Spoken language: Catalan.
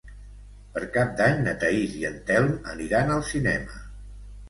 Per Cap d'Any na Thaís i en Telm aniran al cinema.